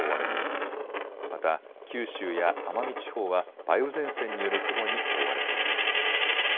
また九州や奄美地方は梅雨前線による雲に覆われています。